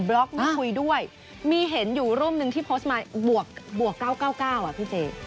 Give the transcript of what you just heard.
ล็อกมาคุยด้วยมีเห็นอยู่รูปหนึ่งที่โพสต์มาบวก๙๙๙อ่ะพี่เจ